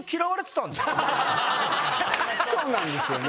そうなんですよね。